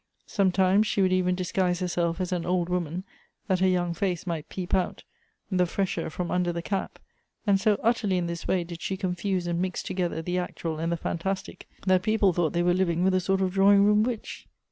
Sometimes she would even disguise herself as an old woman, that her young face might peep out the fresher 8* 178 Goethe's from under the cap ; and so utterly in this way did she confuse and mix together the actual and the fantastic, that people thought they were living with a sort of draw ing room witch.